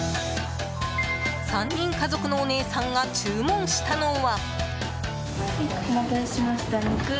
３人家族のお姉さんが注文したのは。